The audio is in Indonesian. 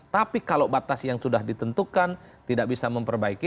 tapi kalau batas yang sudah ditentukan tidak bisa memperbaiki